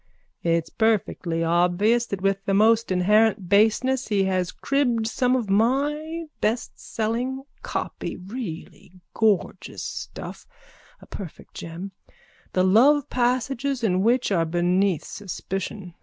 It's perfectly obvious that with the most inherent baseness he has cribbed some of my bestselling copy, really gorgeous stuff, a perfect gem, the love passages in which are beneath suspicion.